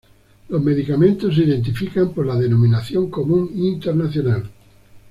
Los medicamentos se identifican por la Denominación Común Internacional.